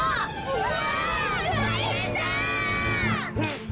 うわ！